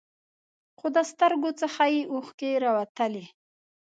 خو د سترګو څخه یې اوښکې راوتلې.